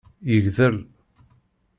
Yegdel.